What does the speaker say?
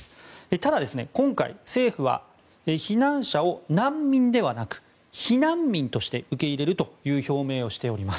ただ今回、政府は避難者を難民ではなく避難民として受け入れるという表明をしております。